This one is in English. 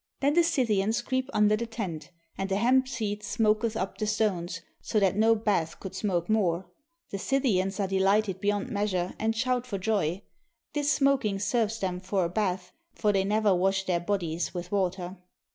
Then the Scythians creep under the tent; and the hemp seed smoketh upon the stones, so that no bath could smoke more. The Scythians are delighted beyond meas ure, and shout for joy. This smoking serves them for a bath, for they never wash their bodies with water.